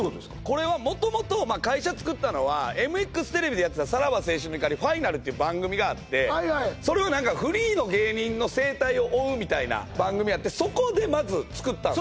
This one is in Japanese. これはもともと会社つくったのはＭＸテレビでやってた「さらば青春の光ふぁいなる」って番組があってそれはフリーの芸人の生態を追うみたいな番組やってそこでまずつくったんですよ